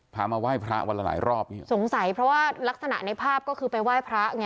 มาไหว้พระวันละหลายรอบเนี่ยสงสัยเพราะว่ารักษณะในภาพก็คือไปไหว้พระไง